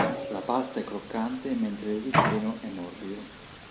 La pasta è croccante mentre il ripieno è morbido.